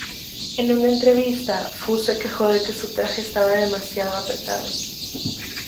En una entrevista, Fu se quejó de que su traje estaba demasiado apretado.